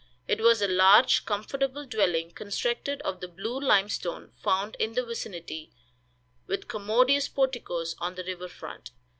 It was a large, comfortable dwelling, constructed of the blue limestone found in the vicinity, with commodious porticos on the river front.